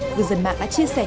vương dân mạng đã chia sẻ